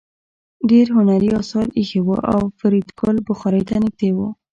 ډېر هنري اثار ایښي وو او فریدګل بخارۍ ته نږدې و